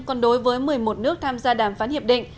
còn đối với một mươi một nước tham gia đàm phán hiệp định